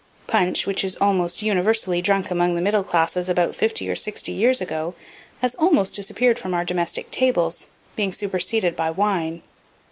Punch, which was almost universally drunk among the middle classes about fifty or sixty years ago, has almost disappeared from our domestic tables, being superseded by wine.